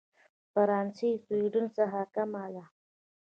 فرانسې سوېډن څخه کمه ده.